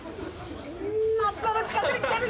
松尾の近くに来てる！